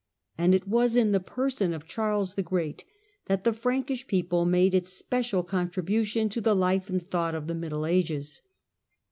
And it was in the person of fCharles the Great that the Frankish people made its I special contribution to the life and thought of the Middle ;Ages.